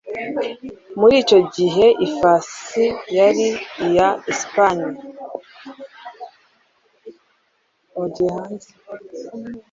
Muri icyo gihe ifasi yari iya Espanye